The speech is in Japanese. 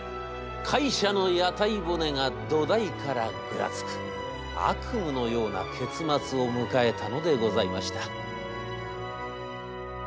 会社の屋台骨が土台からぐらつく悪夢のような結末を迎えたのでございました」。